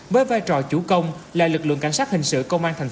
với vai trò chủ công là lực lượng cảnh sát hình sự công an tp hcm